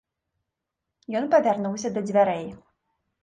Ён павярнуўся да дзвярэй.